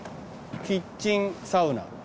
キッチンサウナ。